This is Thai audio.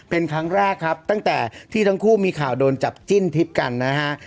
เป็นครั้งแรกครับตั้งแต่ที่ทั้งคู่มีข่าวโดนจับจิ้นทิพย์กันนะฮะ